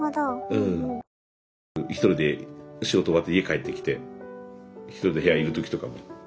うん夜一人で仕事終わって家帰ってきて一人で部屋いる時とかも。